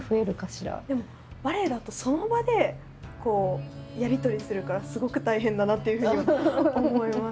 でもバレエだとその場でやり取りするからすごく大変だなっていうふうには思います。